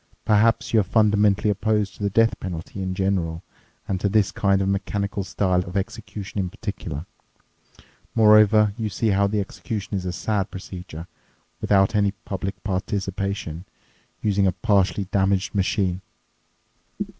Perhaps you are fundamentally opposed to the death penalty in general and to this kind of mechanical style of execution in particular. Moreover, you see how the execution is a sad procedure, without any public participation, using a partially damaged machine.